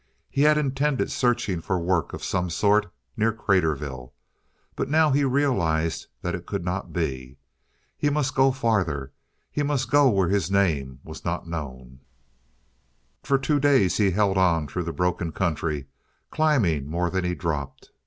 He had intended searching for work of some sort near Craterville, but now he realized that it could not be. He must go farther. He must go where his name was not known. For two days he held on through the broken country, climbing more than he dropped.